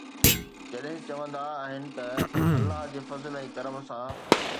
جڏهن چوندا آهن ته ’الله جي فضل ۽ ڪرم سان‘.